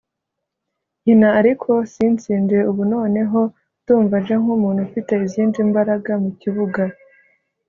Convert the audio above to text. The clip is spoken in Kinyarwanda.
nkina ariko sintsinde; Ubu noneho ndumva nje nk’umuntu ufite izindi mbaraga mu kibuga